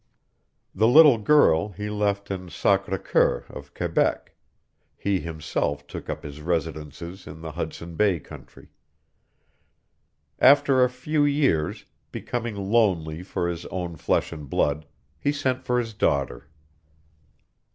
The little girl he left in Sacré Coeur of Quebec; he himself took up his residence in the Hudson Bay country. After a few years, becoming lonely for his own flesh and blood, he sent for his daughter.